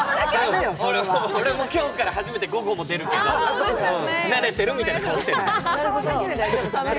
俺も今日から初めて午後も出るから、慣れてるみたいな顔、してる。